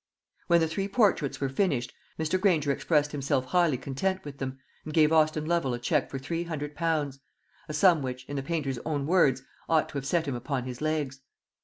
When the three portraits were finished, Mr. Granger expressed himself highly content with them, and gave Austin Lovel a cheque for three hundred pounds; a sum which, in the painter's own words, ought to have set him upon his legs.